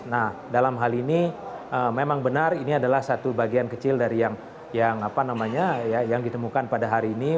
nah dalam hal ini memang benar ini adalah satu bagian kecil dari yang ditemukan pada hari ini